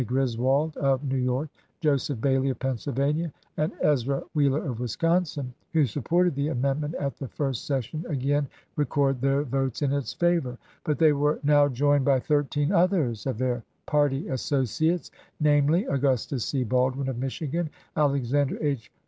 Griswold of New York, Joseph Baily of Pennsylvania, and Ezra Wheeler of Wisconsin — who supported the amend ment at the first session again record their votes in its favor, but they were now joined by thirteen others of their party associates, namely : Augustus C. Baldwin of Michigan; Alexander H.